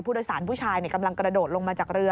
ผู้โดยสารผู้ชายกำลังกระโดดลงมาจากเรือ